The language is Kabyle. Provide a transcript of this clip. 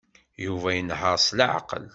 Yuba inehheṛ s leɛqel.